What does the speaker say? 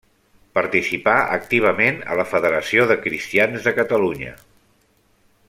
Participà activament a la Federació de Cristians de Catalunya.